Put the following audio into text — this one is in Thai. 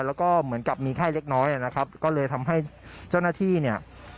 แล้วก็เหมือนกับมีไข้เล็กน้อยนะครับก็เลยทำให้เจ้าหน้าที่เนี่ย